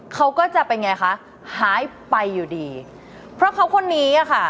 เขาก็จะเป็นไงคะหายไปอยู่ดีเพราะเขาคนนี้อ่ะค่ะ